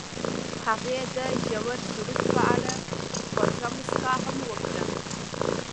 هغې د ژور سرود په اړه خوږه موسکا هم وکړه.